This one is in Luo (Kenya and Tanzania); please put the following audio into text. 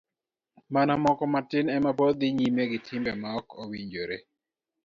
Mana moko matin ema pod dhi nyime gi timbe mokowinjore.